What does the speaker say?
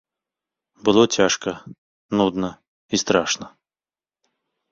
Было цяжка, нудна і страшна.